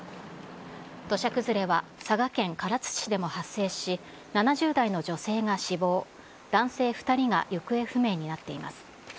土砂崩れは佐賀県唐津市でも発生し、７０代の女性が死亡、男性２人が行方不明になっています。